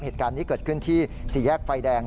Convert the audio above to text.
เหตุการณ์นี้เกิดขึ้นที่สี่แยกไฟแดง